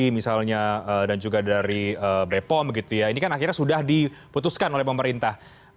misalnya dan juga dari bepom begitu ya ini kan akhirnya sudah diputuskan oleh pemerintah